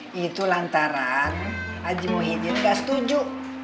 nih itu lantaran azimuddin gak setuju